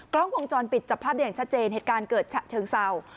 กล้องวงจรปิดจับภาพได้อย่างชัดเจนเหตุการณ์เกิดฉะเชิงเศร้า